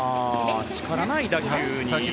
力ない打球に。